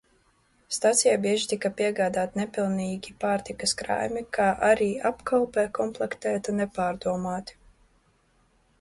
Stacijai bieži tika piegādāti nepilnīgi pārtikas krājumi, kā arī apkalpe komplektēta nepārdomāti.